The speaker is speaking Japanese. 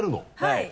はい。